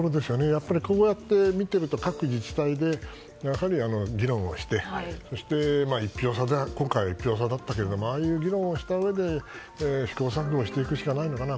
やっぱりこうやって見てると各自治体でやはり議論をしてそして１票差だったけれどもああいう議論をしたうえで試行錯誤していくしかないのかな。